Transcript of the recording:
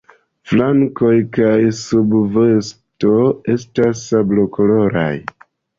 Flankoj kaj subvosto estas sablokoloraj.